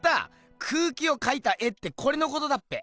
空気を描いた絵ってこれのことだっぺ。